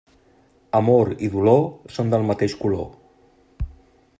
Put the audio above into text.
Amor i dolor són del mateix color.